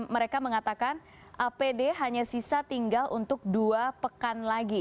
mereka mengatakan apd hanya sisa tinggal untuk dua pekan lagi